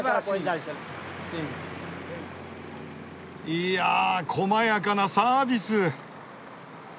いや細やかなサービス！